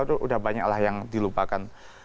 itu udah banyak lah yang dilupakan